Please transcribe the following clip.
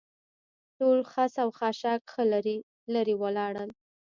ټول خس او خاشاک ښه لرې ولاړل.